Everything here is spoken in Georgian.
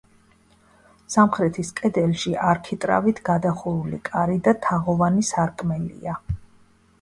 სამხრეთის კედელში არქიტრავით გადახურული კარი და თაღოვანი სარკმელია.